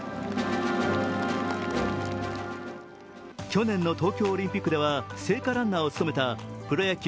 去年の東京オリンピックでは聖火ランナーを務めたプロ野球